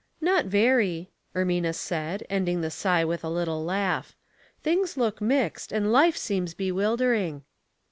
'' Not very," Ermina said, ending the sigh wiili a little laugh. ''Things look mixed, and life seems bewilderiijg."